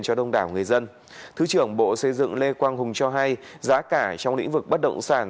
cho đông đảo người dân thứ trưởng bộ xây dựng lê quang hùng cho hay giá cả trong lĩnh vực bất động sản